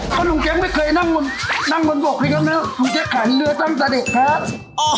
ก็ลุงเจ๊กไม่เคยนั่งบนบกเลยครับเนอะลุงเจ๊กขายเรือตั้งแต่เด็กครับ